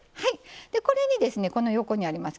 これに横にあります